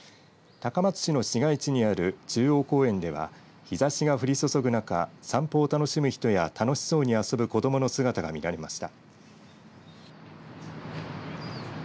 高松市の市街地にある中央公園では日ざしが降り注ぐ中散歩を楽しむ人や楽しそうに遊ぶ子どもの姿が見られました。